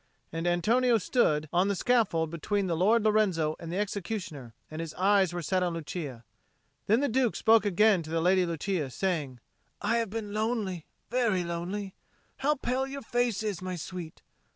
And Antonio stood on the scaffold between the Lord Lorenzo and the executioner; and his eyes were set on Lucia. Then the Duke spoke again to the Lady Lucia, saying, "I have been lonely, very lonely. How pale your face is, my sweet!